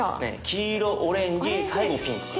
黄色オレンジ最後ピンクかな。